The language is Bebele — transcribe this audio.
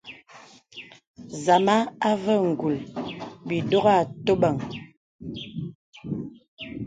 Nzàma àvə ngūl bi dòg atòbəŋ.